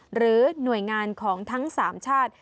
หรือหน่วยงานของทั้ง๓ชาติ